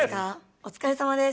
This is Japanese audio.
お疲れさまです。